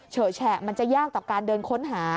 แฉะมันจะยากต่อการเดินค้นหา